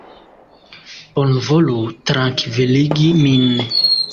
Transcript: Bonvolu trankviligi min.